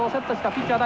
ピッチャー